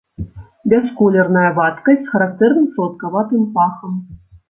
Бясколерная вадкасць з характэрным саладкаватым пахам.